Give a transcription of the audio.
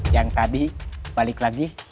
yang tadi balik lagi